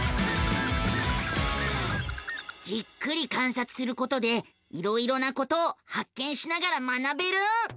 じっくり観察することでいろいろなことを発見しながら学べる。